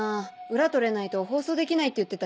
裏取れないと放送できないって言ってたし。